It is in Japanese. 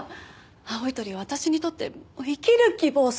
青い鳥は私にとって生きる希望そのものです！